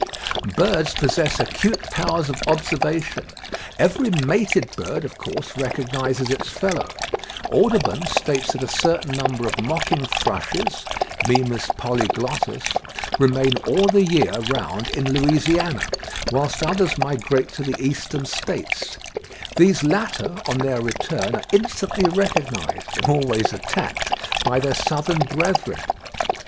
Birds possess acute powers of observation. Every mated bird, of course, recognises its fellow. Audubon states that a certain number of mocking thrushes (Mimus polyglottus) remain all the year round in Louisiana, whilst others migrate to the Eastern States; these latter, on their return, are instantly recognised, and always attacked, by their southern brethren.